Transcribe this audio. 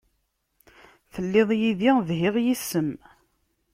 Telliḍ yid-i dhiɣ yes-m.